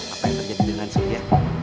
apa yang terjadi dengan syria